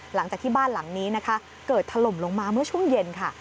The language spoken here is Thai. หลังจากที่บ้านหลังนี้นะคะเกิดถล่มลงมาเมื่อช่วงเย็นค่ะ